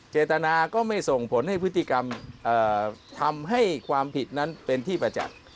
เจตนาก็ไม่ส่งผลให้พฤติกรรมทำให้ความผิดนั้นเป็นที่ประจักษ์